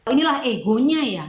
inilah egonya ya